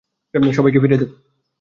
সবাইকে ফিরিয়ে দেব।